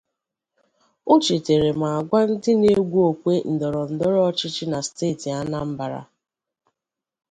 O chètààrà ma gwa ndị na-egwu okwe ndọrọndọrọ ọchịchị na steeti Anambra